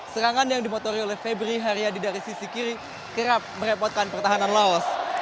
serangan yang dimotori oleh febri haryadi dari sisi kiri kerap merepotkan pertahanan laos